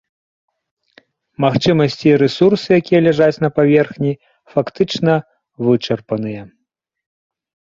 Магчымасці і рэсурсы, якія ляжаць на паверхні, фактычна вычарпаныя.